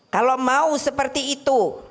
kalau mau seperti itu